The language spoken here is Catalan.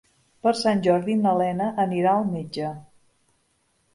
Per Sant Jordi na Lena anirà al metge.